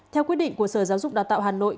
theo quyết định của sở giáo dục đào tạo hà nội